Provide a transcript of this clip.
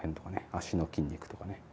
足の筋肉とかね。